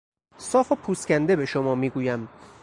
صاف و پوست کنده به شما میگویم...